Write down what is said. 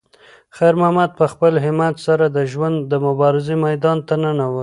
خیر محمد په خپل همت سره د ژوند د مبارزې میدان ته ننووت.